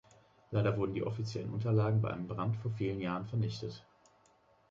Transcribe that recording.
Leider wurden die offiziellen Unterlagen bei einem Brand vor vielen Jahren vernichtet.